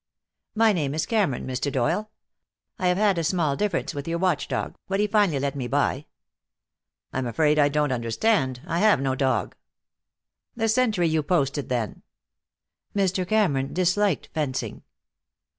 "My name is Cameron, Mr. Doyle. I have had a small difference with your watch dog, but he finally let me by." "I'm afraid I don't understand. I have no dog." "The sentry you keep posted, then." Mr. Cameron disliked fencing.